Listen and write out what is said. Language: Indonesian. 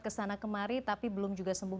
kesana kemari tapi belum juga sembuh